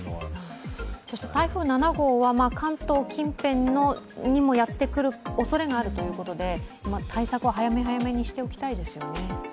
台風７号は関東近辺にもやってくるおそれがあるということで、対策は早め早めにしておきたいですよね。